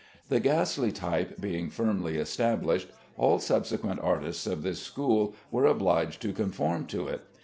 The ghastly type being once firmly established, all subsequent artists of this school were obliged to conform to it.